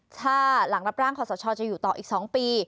ถ้าหลังรับร่างขอสชจะอยู่ต่ออีก๒ปี